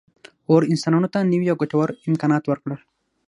اور انسانانو ته نوي او ګټور امکانات ورکړل.